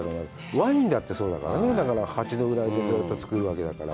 ワインだってそうだからね、８度ぐらいでずっと造るわけだから。